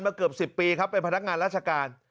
เกือบ๑๐ปีครับเป็นพนักงานราชการ